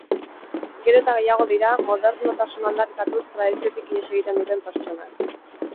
Gero eta gehiago dira, modernotasuna aldarrikatuz, tradiziotik ihes egiten duten pertsonak.